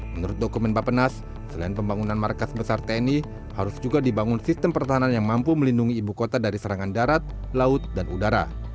menurut dokumen bapenas selain pembangunan markas besar tni harus juga dibangun sistem pertahanan yang mampu melindungi ibu kota dari serangan darat laut dan udara